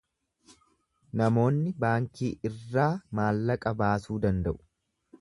Namoonni baankii irraa maallaqa baasuu danda’u.